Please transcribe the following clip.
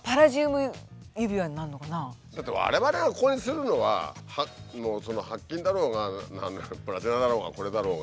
だって我々がここにするのは白金だろうが何だろう